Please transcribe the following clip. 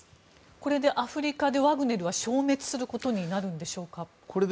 これでアフリカでワグネルは消滅することになるんでしょうか。